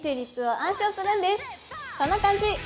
こんな感じ！